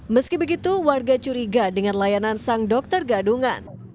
meski begitu warga curiga dengan layanan sang dokter gadungan